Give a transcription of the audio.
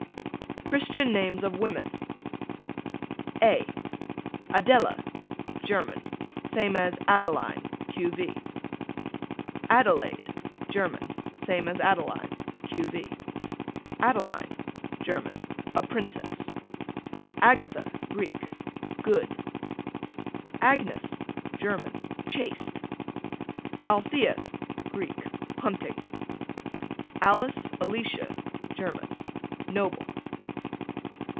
CHRISTIAN NAMES OF WOMEN. A Adela, German, same as Adeline, q. v. Adelaide, German, same as Adeline, q. v. Adeline, German, a princess. Agatha, Greek, good. Agnes, German, chaste. Althea, Greek, hunting. Alice, Alicia, German, noble.